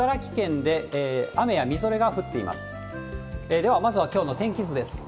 では、まずはきょうの天気図です。